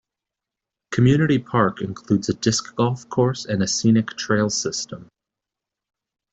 Community Park includes a Disc Golf course and a scenic trail system.